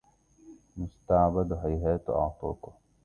مستعبد هيهات إعتاقه